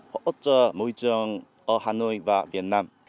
hỗ trợ môi trường ở hà nội và việt nam